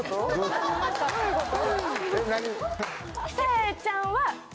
どういうこと？